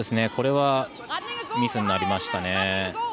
これはミスになりましたね。